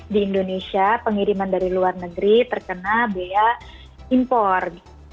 di indonesia pengiriman dari luar negeri terkena bea impor